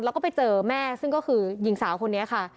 แล้วก็ไปเจอแม่ซึ่งก็คือหญิงสาวคนนี้ค่ะ